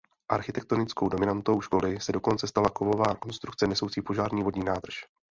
Architektonickou dominantou školy se dokonce stala kovová konstrukce nesoucí požární vodní nádrž.